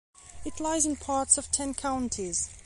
It lies in parts of ten counties.